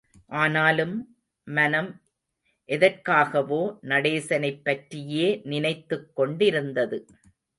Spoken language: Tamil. ஆனாலும், மனம் எதற்காகவோ, நடேசனைப் பற்றியே நினைத்துக் கொண்டிருந்தது.